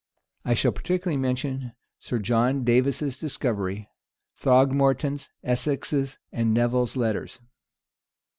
I shall particularly mention Sir John Davis's Discovery. Throgmorton's, Essex's, and Nevil's letters.